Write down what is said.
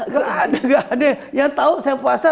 gak ada yang tau saya puasa